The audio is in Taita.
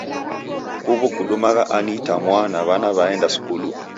Huw'u kudumagha ani itamwaa na w'ana w'aenda skulu?